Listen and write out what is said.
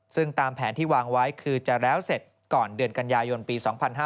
ซึ่งตามแผนที่วางไว้คือจะแล้วเสร็จก่อนเดือนกันยายนปี๒๕๕๙